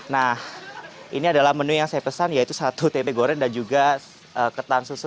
nah ini adalah menu yang saya pesan yaitu satu tempe goreng dan juga ketan susu